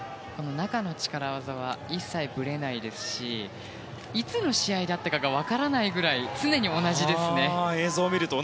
中の力技は一切ぶれないですしいつの試合だったか分からないほど常に同じですね。